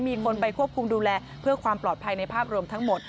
มีคนไปควบคุมดูแลเพื่อความปลอดภัยในภาพรวมทั้งหมด